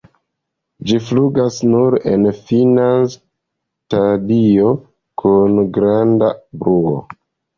Ĝi flugas nur en fina stadio, kun granda bruo.